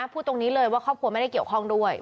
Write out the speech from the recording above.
พูดตรงนี้เลยว่าครอบครัวไม่ได้เกี่ยวข้องด้วย